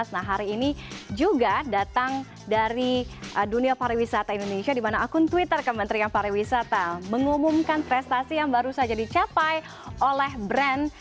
nah hari ini juga datang dari dunia pariwisata indonesia di mana akun twitter kementerian pariwisata mengumumkan prestasi yang baru saja dicapai oleh brand